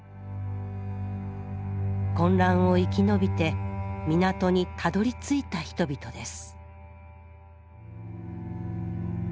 混乱を生き延びて港にたどりついた人々です